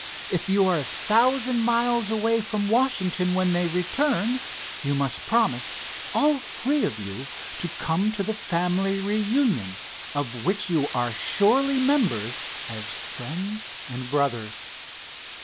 If you are a thousand miles away from Washington when they return, you must promise, all three of you, to come to the family reunion, of which you are surely members, as friends and brothers.